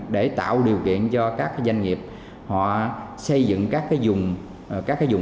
để tạo điều kiện cho các doanh nghiệp họ xây dựng các vùng nuôi tôm